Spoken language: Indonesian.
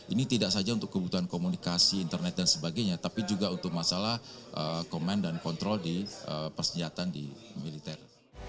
ini tidak saja untuk kebutuhan komunikasi internet dan sebagainya tapi juga untuk masalah komen dan kontrol di persenjataan di militer